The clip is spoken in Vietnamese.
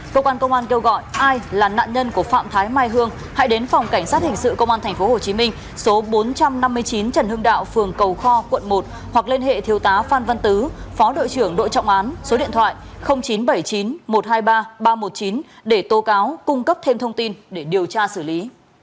cơ quan công an kêu gọi ai là nạn nhân của phạm thái mai hương hãy đến phòng cảnh sát hình sự công an tp hcm số bốn trăm năm mươi chín trần hưng đạo phường cầu kho quận một hoặc liên hệ thiếu tá phan văn tứ phó đội trưởng đội trọng án số điện thoại chín trăm bảy mươi chín một trăm hai mươi ba ba trăm một mươi chín để tô cáo cung cấp thêm thông tin để điều tra xử lý